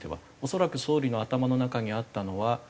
恐らく総理の頭の中にあったのは。